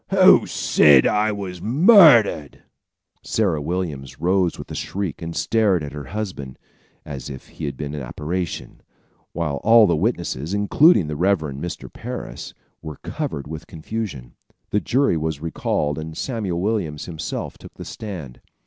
"Who said I was murdered?" Sarah Williams rose with a shriek and stared at her husband, as if he had been an apparition, while all the witnesses, including the Rev. Mr. Parris, were covered with confusion. The jury was recalled and Samuel Williams himself took the stand.